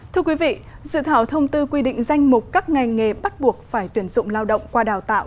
thưa quý vị dự thảo thông tư quy định danh mục các ngành nghề bắt buộc phải tuyển dụng lao động qua đào tạo